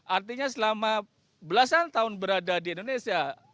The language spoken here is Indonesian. artinya selama belasan tahun berada di indonesia